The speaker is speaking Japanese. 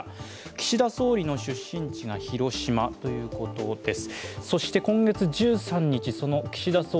岸田総理の出身地が広島ということです。